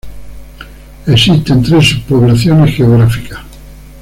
Existen tres subpoblaciones geográficas.